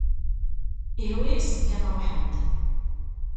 Ihwa-yasen kan ruḥen-d.